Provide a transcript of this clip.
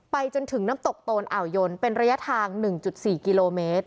จนถึงน้ำตกโตนอ่าวยนเป็นระยะทาง๑๔กิโลเมตร